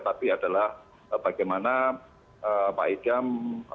tapi adalah bagaimana pak idam